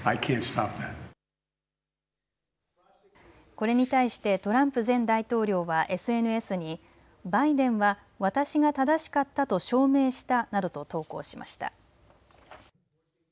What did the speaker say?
これに対してトランプ前大統領はＳＮＳにバイデンは私が正しかったと証明したなどと投稿しました。